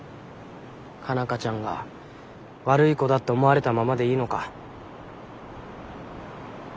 佳奈花ちゃんが悪い子だって思われたままでいいのか？